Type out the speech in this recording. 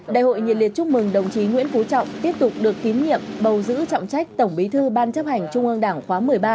đại hội nhiệt liệt chúc mừng đồng chí nguyễn phú trọng tiếp tục được tín nhiệm bầu giữ trọng trách tổng bí thư ban chấp hành trung ương đảng khóa một mươi ba